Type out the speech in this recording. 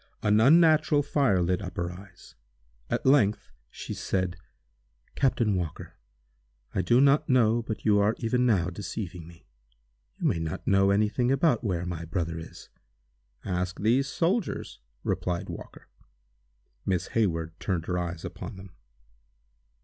An unnatural fire lit up her eyes. At length she said: "Captain Walker, I do not know but you are even now deceiving me. You may not know any thing about where my brother is." "Ask these soldiers," replied Walker. Miss Hayward turned her eyes upon them.